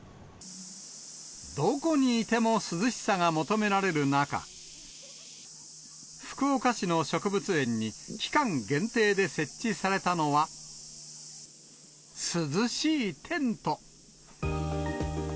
どこにいても涼しさが求められる中、福岡市の植物園に、期間限定で設置されたのは、涼しいテント。